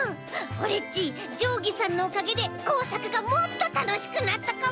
オレっちじょうぎさんのおかげでこうさくがもっとたのしくなったかも！